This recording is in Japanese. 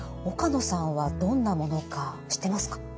岡野さんはどんなものか知ってますか？